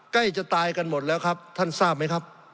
ใกล้จะตายกันหมดแล้วครับท่านทราบไหมครับ